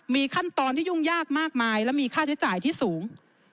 มีขั้นตอนที่ยุ่งยากมากมายและมีค่าใช้จ่ายที่สูง